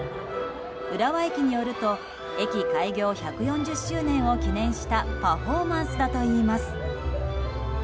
浦和駅によると駅開業１４０周年を記念したパフォーマンスだといいます。